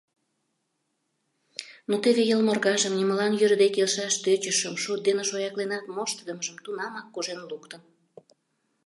Но теве йылморгажым, нимолан йӧрыде келшаш тӧчышым, шот дене шоякленат моштыдымыжым тунамак кожен луктын.